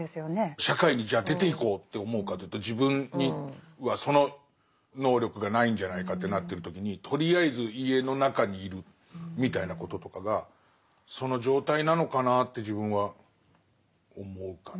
社会にじゃあ出ていこうって思うかというと自分にはその能力がないんじゃないかってなってる時にとりあえず家の中に居るみたいなこととかがその状態なのかなって自分は思うかな。